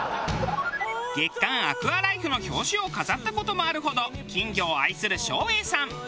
『月刊アクアライフ』の表紙を飾った事もあるほど金魚を愛する照英さん。